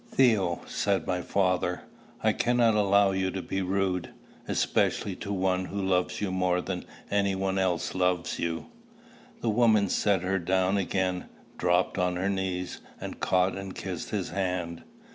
"Theo," said my father, "I cannot allow you to be rude, especially to one who loves you more than any one else loves you." The woman set her down again, dropped on her knees, and caught and kissed his hand.